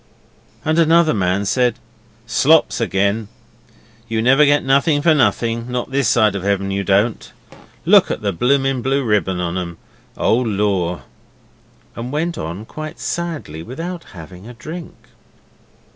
And another man said, 'Slops again! You never get nothing for nothing, not this side of heaven you don't. Look at the bloomin' blue ribbon on 'em! Oh, Lor'!' and went on quite sadly without having a drink.